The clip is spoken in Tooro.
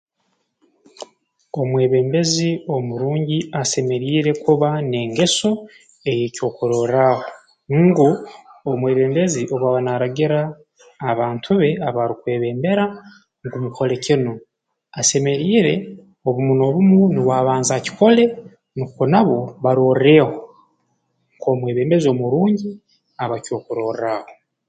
Omwebembezi omurungi asemeriire kuba n'engeso ey'okyokurorraaho ngu omwebembezi obu aba naaragira abantu be abaarukwebembera ngu mukole kinu asemeriire obumu n'obumu nuwe abanze akikole nukwo nabo barorreeho nk'omwebembezi omurungi aba ky'okurorraaho